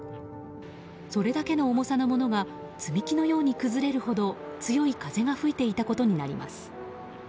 それだけの重さのものが積み木のように崩れるほど強い風が吹いていたことになります。